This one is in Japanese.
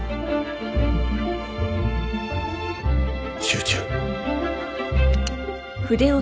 集中。